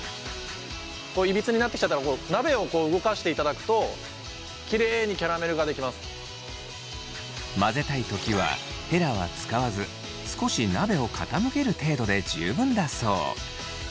いびつになってきちゃったら混ぜたい時はヘラは使わず少し鍋を傾ける程度で十分だそう。